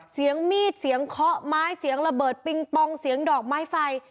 เสียงมีดเสียงเคาะไม้เสียงระเบิดปิงปองเสียงดอกไม้ไฟ